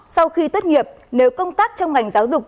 sau khi tốt nghiệp nếu công tác trong ngành giáo dục